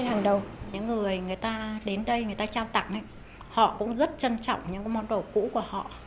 hàng đầu những người người ta đến đây người ta trao tặng họ cũng rất trân trọng những món đồ cũ của họ